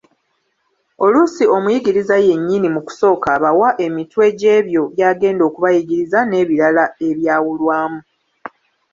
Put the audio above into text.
Oluusi omuyigiriza yennyini mu kusooka abawa emitwe gy'ebyo by'agenda okubayigiriza n'ebirala ebyawulwamu.